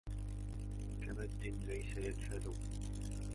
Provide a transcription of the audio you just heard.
كمد ليس ينفد